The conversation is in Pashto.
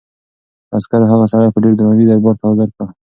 عسکرو هغه سړی په ډېر درناوي دربار ته حاضر کړ.